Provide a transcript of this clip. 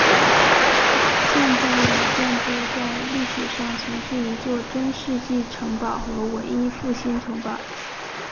现在的建筑在历史上曾是一座中世纪城堡和文艺复兴城堡。